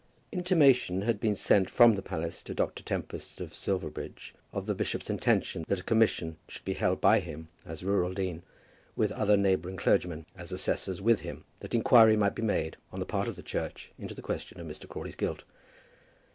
Intimation had been sent from the palace to Dr. Tempest of Silverbridge of the bishop's intention that a commission should be held by him, as rural dean, with other neighbouring clergymen, as assessors with him, that inquiry might be made on the part of the Church into the question of Mr. Crawley's guilt.